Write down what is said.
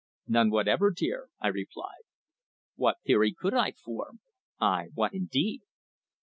"None whatever, dear," I replied. What theory could I form? Aye, what indeed?